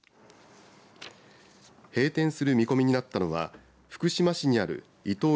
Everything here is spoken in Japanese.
閉店する見込みになったのは福島市にあるイトー